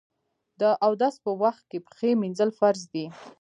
د اودس په وخت کې پښې مینځل فرض دي.